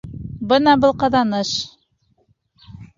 Бына был ҡаҙаныш!